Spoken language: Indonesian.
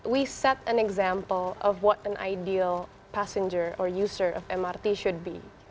kita menetapkan contoh tentang apa yang harus dilakukan para penganggur mrt